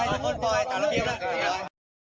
ยากคล้าออกไว่